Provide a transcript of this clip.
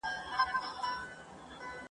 موږ یو چي د دې په سر کي شور وینو ..